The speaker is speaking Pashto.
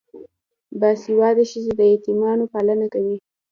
باسواده ښځې د یتیمانو پالنه کوي.